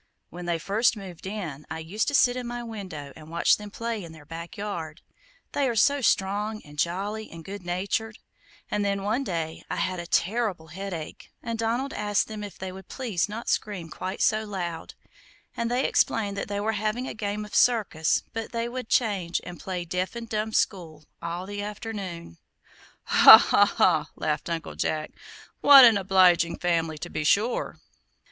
When they first moved in, I used to sit in my window and watch them play in their backyard; they are so strong, and jolly, and good natured; and then, one day, I had a terrible headache, and Donald asked them if they would please not scream quite so loud, and they explained that they were having a game of circus, but that they would change and play 'Deaf and Dumb School' all the afternoon." "Ha, ha, ha!" laughed Uncle Jack, "what an obliging family, to be sure."